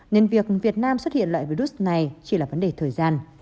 nên việc việt nam xuất hiện loại virus này chỉ là vấn đề thời gian